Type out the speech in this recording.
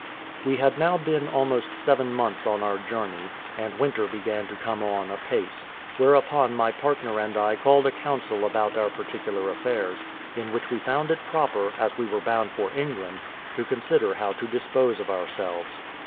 We had now been almost seven months on our journey, and winter began to come on apace; whereupon my partner and I called a council about our particular affairs, in which we found it proper, as we were bound for England, to consider how to dispose of ourselves.